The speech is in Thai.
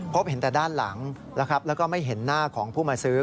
พบเห็นแต่ด้านหลังนะครับแล้วก็ไม่เห็นหน้าของผู้มาซื้อ